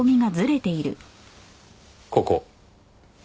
ここ。